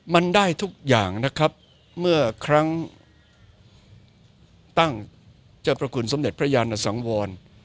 มันได้ทุกอย่างนะครับเมื่อครั้งตั้งเจ้าพระคุณสมเด็จพระยานสังวร